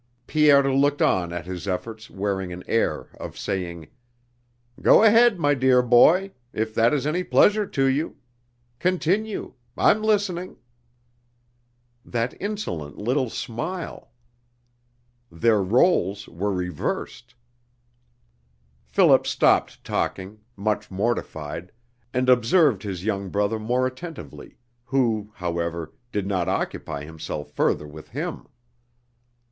Pierre looked on at his efforts wearing an air of saying: "Go ahead, my dear boy! If that is any pleasure to you! Continue! I'm listening...." That insolent little smile!... Their rôles were reversed. Philip stopped talking, much mortified, and observed his young brother more attentively, who, however, did not occupy himself further with him.